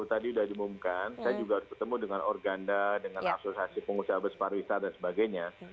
tadi sudah diumumkan saya juga harus ketemu dengan organda dengan asosiasi pengusaha bus pariwisata dan sebagainya